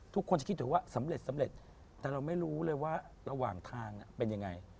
ทุกคนจะคิดถึงว่าสำเร็จสำเร็จแต่เราไม่รู้เลยว่าระหว่างทางเป็นยังไง